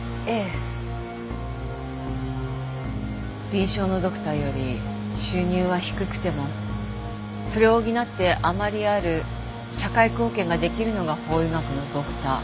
臨床のドクターより収入は低くてもそれを補って余りある社会貢献が出来るのが法医学のドクター。